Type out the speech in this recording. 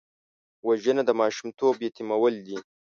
وژنه د ماشومتوب یتیمول دي